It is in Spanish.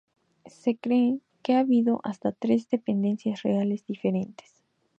Se cree que ha habido hasta tres dependencias reales diferentes.